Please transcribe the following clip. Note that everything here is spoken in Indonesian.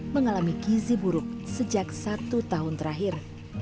mengalami gizi buruk sejak satu tahun terakhir